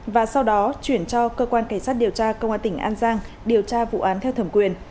và sau đó chuyển cho cơ quan cảnh sát điều tra công an tỉnh an giang điều tra vụ án theo thẩm quyền